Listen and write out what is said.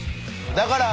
だから。